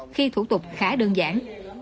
khi thủ tục khá đơn giản